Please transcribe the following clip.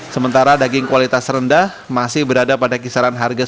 sementara daging kualitas rendah masih berada pada kisaran rp sembilan puluh sampai rp seratus